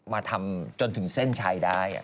มาทำจนถึงเส้นชัยได้